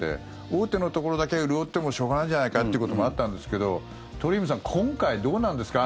大手のところだけ潤ってもしょうがないんじゃないかってこともあったんですけど鳥海さん、今回どうなんですか？